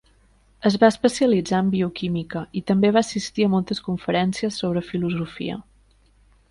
Es va especialitzar en bioquímica, i també va assistir a moltes conferències sobre filosofia.